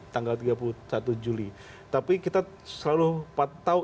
tanggal tiga puluh satu juli tapi kita selalu tahu